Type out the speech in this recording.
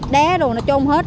đé đồ nó trôm hết